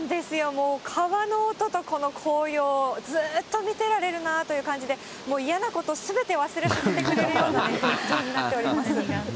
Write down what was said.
もう、川の音とこの紅葉、ずっと見てられるなという感じで、もう嫌なことすべて忘れさせてくれるような絶景になっております。